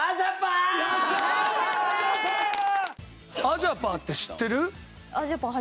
アジャパーって知ってる？